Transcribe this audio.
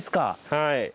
はい。